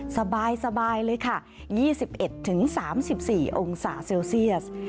สบายเลยค่ะ๒๑๓๔องศาเซลเซียส